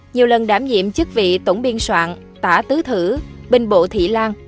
nhiều lần đảm nhiệm chức vị tổng biên soạn tả tứ thử binh bộ thị lan